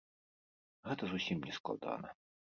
Гэта зусім не складана.